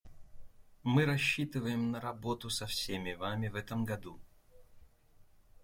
Мы рассчитываем на работу со всеми вами в этом году.